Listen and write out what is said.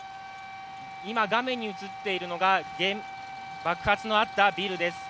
今、画面に映っているのが、爆発のあったビルです。